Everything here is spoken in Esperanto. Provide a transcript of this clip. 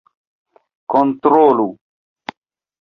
kontrolu